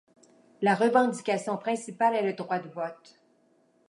La revendication principale est le droit de vote.